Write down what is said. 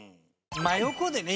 真横でね